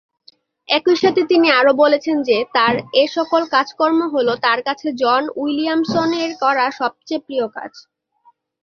একই সাথে তিনি আরো বলেছেন যে তার এসকল কাজকর্ম হলো তার কাছে জন উইলিয়ামস এর করা সবচেয়ে প্রিয় কাজ।